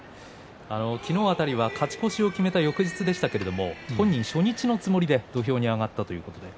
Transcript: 昨日辺りは勝ち越しを決めた翌日でしたが本人は初日のつもりで土俵に上がったということです。